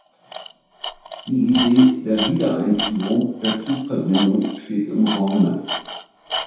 Die Idee der Wiedereinführung der Zugverbindung steht im Raume.